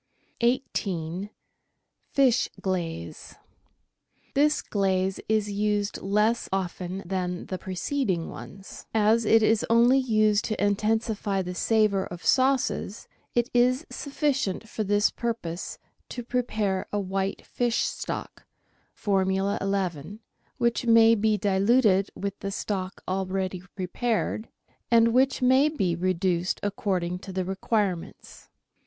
18— FISH QLAZE This glaze is used less often than the preceding ones. As it is only used to intensify the savour of sauces, it is sufficient for this purpose to prepare a white fish stock (Formula 11), which may be diluted with the stock already prepared, and which may be reduced according to the requirements.